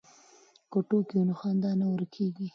که ټوکې وي نو خندا نه ورکېږي.